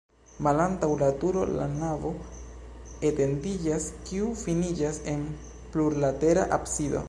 Malantaŭ la turo la navo etendiĝas, kiu finiĝas en plurlatera absido.